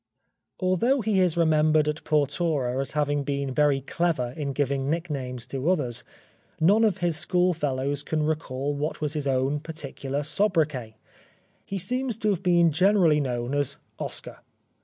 «r Although he is remembered at Portora as having been very clever in giving nicknames to others, none of his schoolfellows can recall what was his own particular soubriquet. He seems to have been generally known as " Oscar."